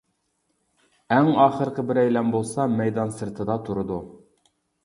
ئەڭ ئاخىرقى بىرەيلەن بولسا مەيدان سىرتىدا تۇرىدۇ.